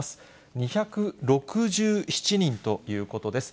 ２６７人ということです。